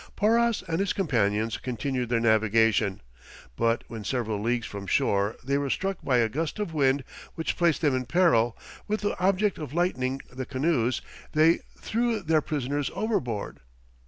Porras and his companions continued their navigation; but when several leagues from shore, they were struck by a gust of wind which placed them in peril: with the object of lightening the canoes, they threw their prisoners overboard.